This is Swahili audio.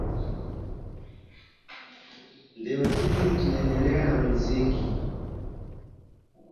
ndio sisi tunaendelea muziki